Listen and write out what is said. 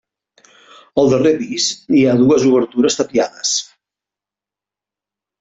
Al darrer pis hi ha dues obertures tapiades.